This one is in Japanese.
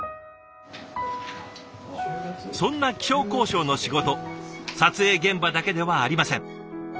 そんな気象考証の仕事撮影現場だけではありません。